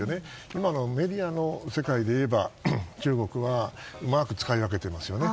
今のメディアの世界でいえば中国はうまく使い分けているんですよね。